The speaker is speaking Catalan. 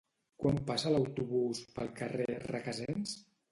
Quan passa l'autobús pel carrer Requesens?